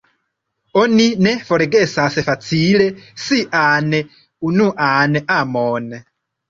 Oni ne forgesas facile sian unuan amon.